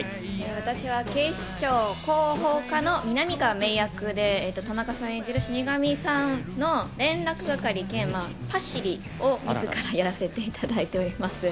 私は警視庁広報課の南川メイ役で田中さん演じる死神さんの連絡係兼パシリをやらせていただいております。